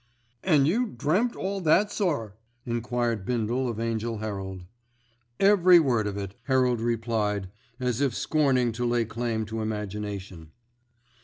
"An' you dreamt all that, sir?" enquired Bindle of Angell Herald. "Every word of it," Herald replied as if scorning to lay claim to imagination.